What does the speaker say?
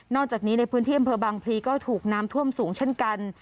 จากนี้ในพื้นที่อำเภอบางพลีก็ถูกน้ำท่วมสูงเช่นกัน